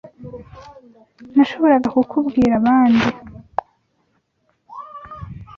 Nashoboraga kukubwira abandi